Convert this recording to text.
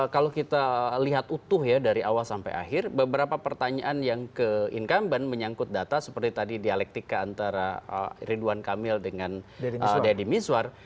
kalau kita lihat utuh ya dari awal sampai akhir beberapa pertanyaan yang ke incumbent menyangkut data seperti tadi dialektika antara ridwan kamil dengan deddy mizwar